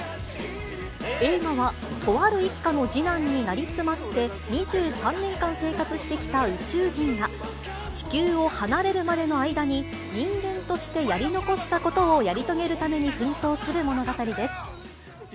映画はとある一家の次男に成り済まして、２３年間生活してきた宇宙人が、地球を離れるまでの間に人間としてやり残したことをやり遂げるために奮闘する物語です。